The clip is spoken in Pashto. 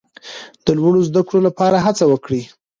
د لوړو زده کړو لپاره هڅه وکړئ.